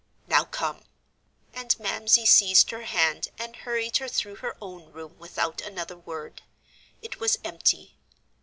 "Now come." And Mamsie seized her hand and hurried her through her own room without another word. It was empty.